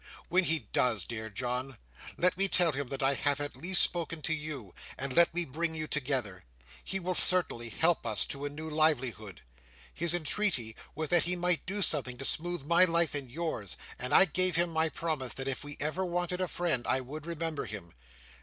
When he does, dear John, let me tell him that I have at last spoken to you, and let me bring you together. He will certainly help us to a new livelihood. His entreaty was that he might do something to smooth my life and yours; and I gave him my promise that if we ever wanted a friend, I would remember him.